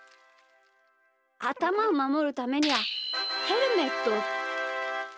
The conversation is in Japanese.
あたまをまもるためにはヘルメット。